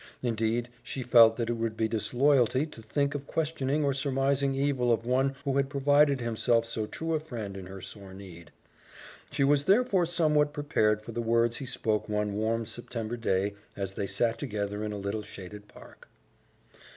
Indeed, she felt that it would be disloyalty to think of questioning or surmising evil of one who had proved himself so true a friend in her sore need. She was therefore somewhat prepared for the words he spoke one warm September day, as they sat together in a little shaded park.